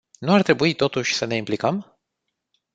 Nu ar trebui, totuși, să ne implicăm?